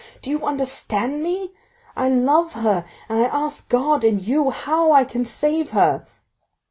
Do you understand me? I love her; and I ask God and you how I can save her?"